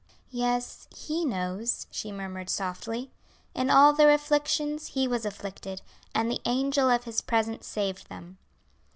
"Yes, He knows," she murmured softly. "In all their afflictions He was afflicted; and the angel of His presence saved them."